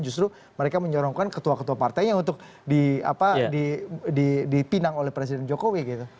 justru mereka menyorongkan ketua ketua partainya untuk dipinang oleh presiden jokowi gitu